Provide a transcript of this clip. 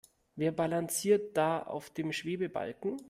Wer balanciert da auf dem Schwebebalken?